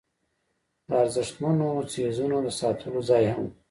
د ارزښتمنو څیزونو د ساتلو ځای هم و.